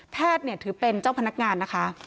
ถือเป็นเจ้าพนักงานนะคะ